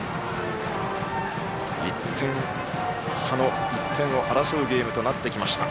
１点差の１点を争うゲームになってきました。